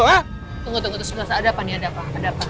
tunggu tunggu ada apa nih ada apa